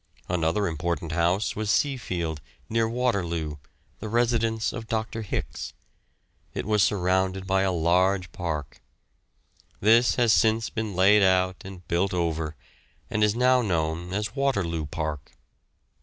Another important house was Seafield, near Waterloo, the residence of Dr. Hicks; it was surrounded by a large park. This has since been laid out and built over, and is now known as Waterloo Park.